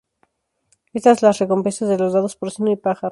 Están las recompensas de los lados porcino y pájaro.